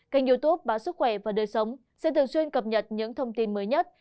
kênh youtube báo sức khỏe và đời sống sẽ thường xuyên cập nhật những thông tin mới nhất